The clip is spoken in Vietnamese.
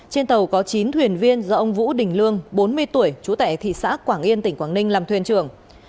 trên tàu có chín thuyền viên do ông vũ đình lương bốn mươi tuổi trú tại thị xã quảng yên tỉnh quảng ninh làm thuyền trưởng